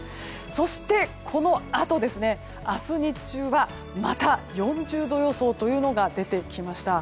そして、このあと明日日中はまた４０度予想というのが出てきました。